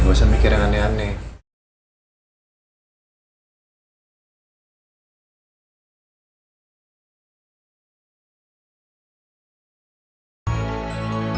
gak usah mikir yang aneh aneh